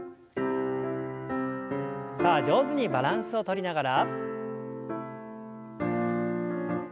さあ上手にバランスをとりながら。